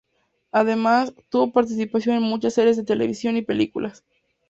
Además, tuvo participación en muchas series de televisión y películas.